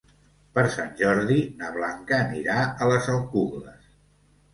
Per Sant Jordi na Blanca anirà a les Alcubles.